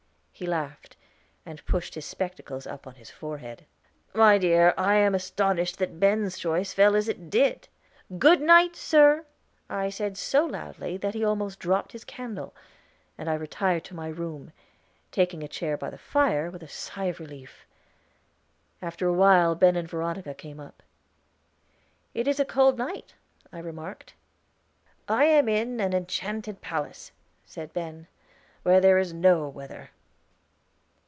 He laughed, and pushed his spectacles up on his forehead. "My dear, I am astonished that Ben's choice fell as it did " "Good night, sir," I said so loudly that he almost dropped his candle, and I retired to my room, taking a chair by the fire, with a sigh of relief. After a while Ben and Veronica came up. "It is a cold night," I remarked. "I am in an enchanted palace," said Ben, "where there is no weather."